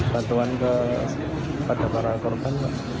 bantuan kepada para korban